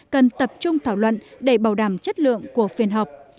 cần tập trung thảo luận để bảo đảm chất lượng của phiên họp